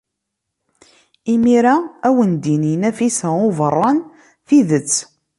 Imir-a ad awen-d-tini Nafisa n Ubeṛṛan tidet.